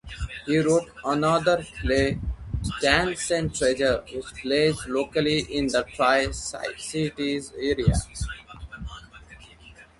He wrote another play, "Ten Cent Treasure", which plays locally in the Tri-Cities area.